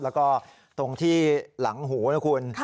แล้วก็ตรงที่หลังหูนะคุณ